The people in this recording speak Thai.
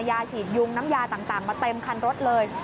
ยาฉีดยุงน้ำยาต่างมาเต็มคันรถเลย